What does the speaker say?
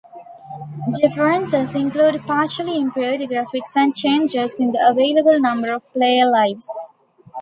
Differences include partially improved graphics and changes in the available number of player lives.